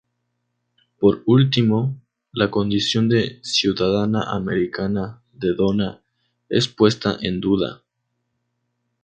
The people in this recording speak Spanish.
Por último, la condición de Ciudadana Americana de Donna es puesta en duda.